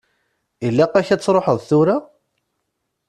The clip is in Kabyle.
Ilaq-ak ad truḥeḍ tura?